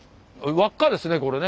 輪っかですねこれね。